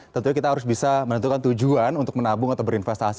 tentunya kita harus bisa menentukan tujuan untuk menabung atau berinvestasi